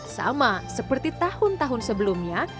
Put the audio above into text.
sama seperti tahun tahun sebelumnya